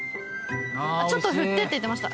「ちょっと振って」って言ってました